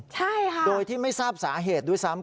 ใช่ค่ะโดยที่ไม่ทราบสาเหตุด้วยซ้ำ